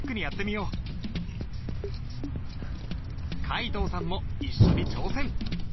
皆藤さんも一緒に挑戦。